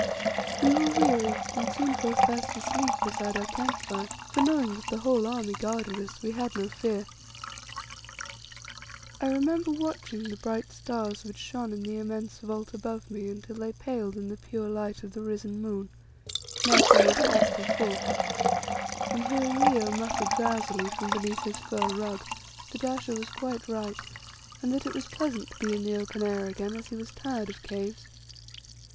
We were weary and soon fell fast asleep beside our camp fire, for, knowing that the whole army guarded us, we had no fear. I remember watching the bright stars which shone in the immense vault above me until they paled in the pure light of the risen moon, now somewhat past her full, and hearing Leo mutter drowsily from beneath his fur rug that Ayesha was quite right, and that it was pleasant to be in the open air again, as he was tired of caves.